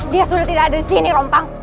dia sudah tidak ada di sini rompang